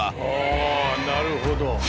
ああなるほど。